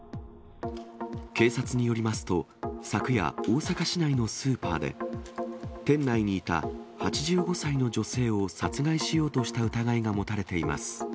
警察によりますと、昨夜、大阪市内のスーパーで、店内にいた８５歳の女性を殺害しようとした疑いが持たれています。